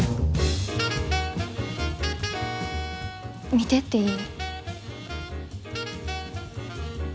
見てっていい？